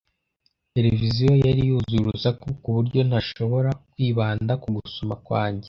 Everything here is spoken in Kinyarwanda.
Televiziyo yari yuzuye urusaku ku buryo ntashobora kwibanda ku gusoma kwanjye.